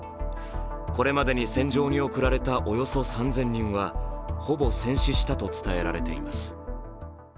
これまでに戦場に送られたおよそ３０００人はほぼ戦死したと伝えられています。